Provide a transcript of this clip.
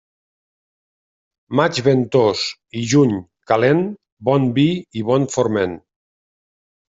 Maig ventós i juny calent, bon vi i bon forment.